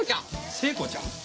聖子ちゃん？